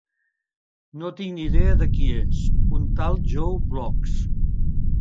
No tinc ni idea de qui és: un tal Joe Bloggs